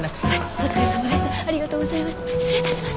お疲れさまです。